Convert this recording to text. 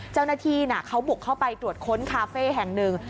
เจ้าหน้าที่เขาบุกเข้าไปตรวจค้นคาเฟ่แห่งหนึ่ง